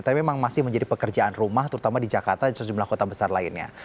tapi memang masih menjadi pekerjaan rumah terutama di jakarta dan sejumlah kota besar lainnya